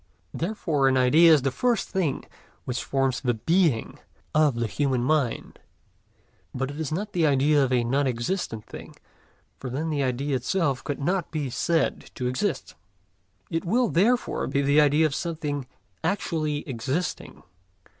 Therefore an idea is the first thing which forms the Being of the human mind. But it is not the idea of a non existent thing, for then the idea itself could not be said to exist. It will therefore be the idea of something actually existing.